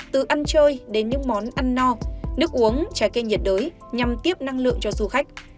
từ ăn chơi đến những món ăn no nước uống trái cây nhiệt đới nhằm tiếp năng lượng cho du khách